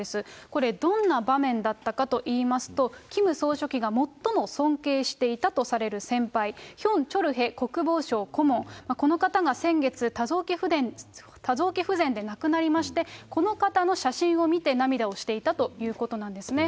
これどんな場面だったかといいますと、キム総書記が最も尊敬していたとされる先輩、ヒョン・チョルヘ国防省顧問、この方が先月、多臓器不全で亡くなりまして、この方の写真を見て涙をしていたということなんですね。